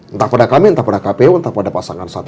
entah pada kami entah pada kpu entah pada pasangan satu